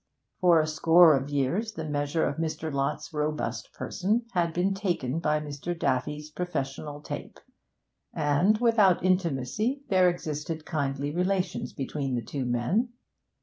For a score of years the measure of Mr. Lott's robust person had been taken by Mr. Daffy's professional tape, and, without intimacy, there existed kindly relations between the two men.